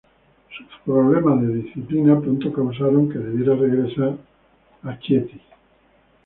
Sus problemas de disciplina pronto causaron que debiera regresar a Chieti.